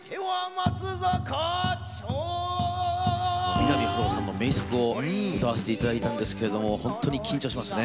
三波春夫さんの名作を歌わせて頂いたんですけれども本当に緊張しますね。